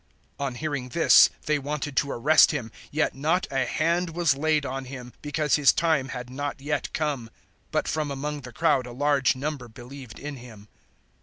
007:030 On hearing this they wanted to arrest Him; yet not a hand was laid on Him, because His time had not yet come. 007:031 But from among the crowd a large number believed in Him.